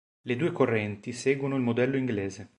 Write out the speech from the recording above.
Le due correnti seguono il modello inglese.